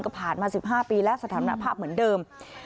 ก็ผ่านมา๑๕ปีแล้วสถานภาพเหมือนเดิม